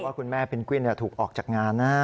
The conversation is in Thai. คุณแม่เพนกวินถูกออกจากงานนะ